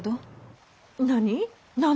何？